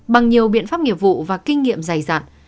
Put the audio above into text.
bằng nhiều biện pháp nghiệp vụ và kinh nghiệm dày dặn